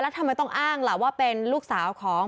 ทำไมต้องอ้างล่ะว่าเป็นลูกสาวของ